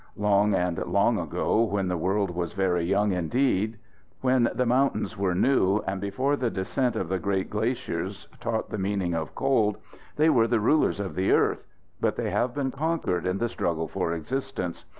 Long and long ago, when the world was very young indeed, when the mountains were new, and before the descent of the great glaciers taught the meaning of cold, they were the rulers of the earth, but they have been conquered in the struggle for existence.